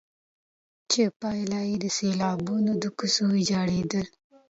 چي پايله يې سيلابونه، د کوڅو ويجاړېدل،